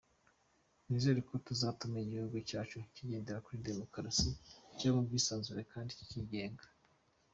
"Nizeye ko tuzatuma igihugu cyacu kigendera kuri demokarasi, kibamo ubwisanzure kandi kikigenga".